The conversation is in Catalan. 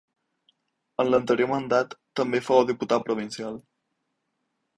En l’anterior mandat també fou diputat provincial.